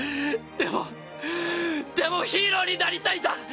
でもでもヒーローになりたいんだ！